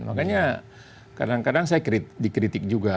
makanya kadang kadang saya dikritik juga